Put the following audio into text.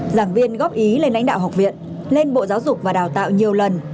giảng viên góp ý lên lãnh đạo học viện lên bộ giáo dục và đào tạo nhiều lần